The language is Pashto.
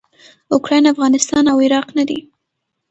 اوکراین افغانستان او عراق نه دي.